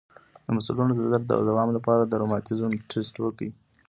د مفصلونو د درد د دوام لپاره د روماتیزم ټسټ وکړئ